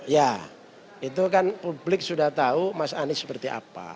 ya itu kan publik sudah tahu mas anies seperti apa